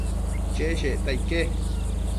cheshecta ique